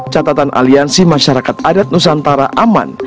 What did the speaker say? catatan aliansi masyarakat adat nusantara aman